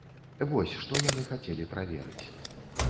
Вось што яны хацелі праверыць.